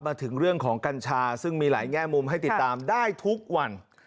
มาถึงเรื่องของกัญชาซึ่งมีหลายแง่มุมให้ติดตามได้ทุกวัน